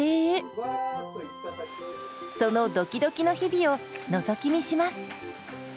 そのドキドキの日々をのぞき見します。